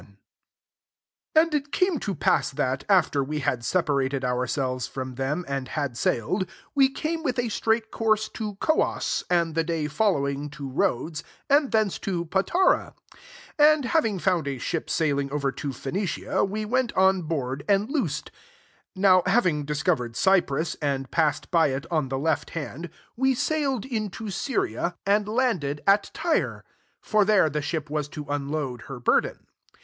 1 And it came pass that, after we had sepaoi:^ ed ourselves from them, i had sailed, we came widi straight course to Coos, the day following to Rl and thence to Patara. 2 A having found a ship over to Phenicia, we weiil board, and loosed. 3 Now ing discovered .Cyprus, passed by it on the left hi we sailed into Syria, and ACTS XXL ftS7 cd at Tyre ; for there the ship was to unload her burden.